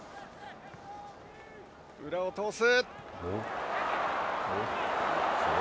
裏を通す。